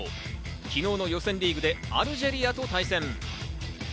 昨日の予選リーグでアルジェリアと対戦。